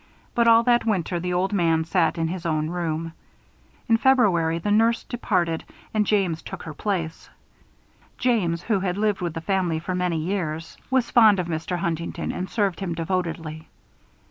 But all that winter, the old man sat in his own room. In February the nurse departed and James took her place. James, who had lived with the family for many years, was fond of Mr. Huntington and served him devotedly.